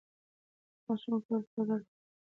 ماشوم کولی سي ازاد فکر وکړي.